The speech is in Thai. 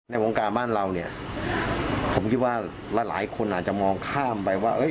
ในวงการบ้านเราเนี่ยผมคิดว่าหลายคนอาจจะมองข้ามไปว่า